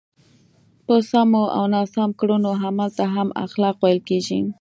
په سمو او ناسم کړنو عمل ته هم اخلاق ویل کېږي.